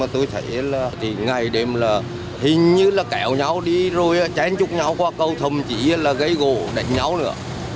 tôi thấy là ngày đêm là hình như là kéo nhau đi rồi tránh chút nhau qua cầu thông chỉ là gây gồ đánh nhau nữa